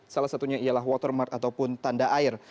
salah satunya ialah watermark ataupun tanda air